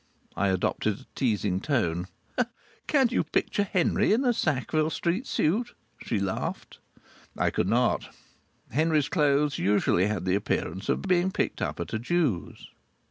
I adopted a teasing tone. "Can you picture Henry in a Sackville Street suit?" she laughed. I could not. Henry's clothes usually had the appearance of having been picked up at a Jew's.